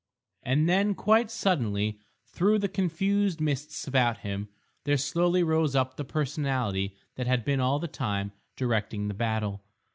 And then quite suddenly, through the confused mists about him, there slowly rose up the Personality that had been all the time directing the battle.